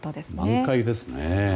満開ですね。